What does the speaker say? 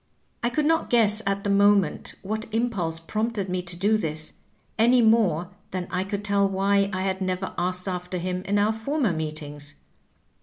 I could not guess at the moment what impulse prompted me to do this, any more than I could tell why I had never asked after him in our former meetings.